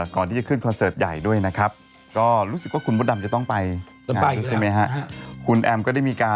ก่อนที่ได้ขึ้นคอนเสิร์ฟใหญ่ด้วยนะครับรู้สึกว่าคุณบุตดำจะต้องไป